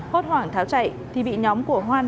hốt hoảng tháo chạy thì bị nhóm của hoan